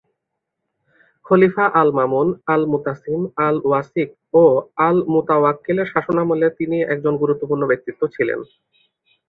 খলিফা আল-মামুন, আল-মুতাসিম, আল-ওয়াসিক ও আল-মুতাওয়াক্কিলের শাসনামলে তিনি একজন গুরুত্বপূর্ণ ব্যক্তিত্ব ছিলেন।